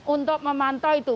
untuk memantau itu